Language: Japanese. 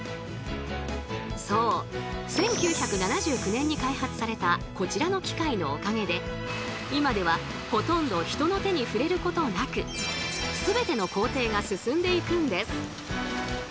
１９７９年に開発されたこちらの機械のおかげで今ではほとんど人の手に触れることなくすべての工程が進んでいくんです。